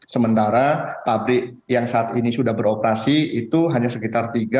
sementara pabrik yang saat ini sudah beroperasi itu hanya sekitar tiga